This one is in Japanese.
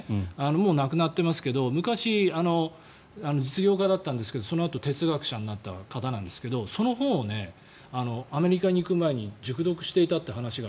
もう亡くなっていますけど昔、実業家だったんですけどそのあと哲学者になった方なんですがその本をアメリカに行く前に熟読していたという話が